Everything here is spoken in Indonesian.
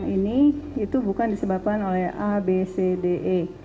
ini itu bukan disebabkan oleh a b c d e